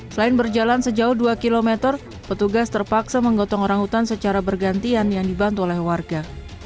selain berjalan sejauh dua km petugas terpaksa menggotong orang hutan secara bergantian yang dibantu oleh warga